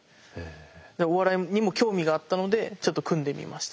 お笑いにも興味があったのでちょっと組んでみました。